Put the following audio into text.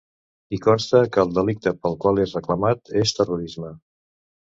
Hi consta que el delicte pel qual és reclamat és ‘terrorisme’.